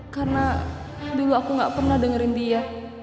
karena dulu aku gak pernah dengerin dia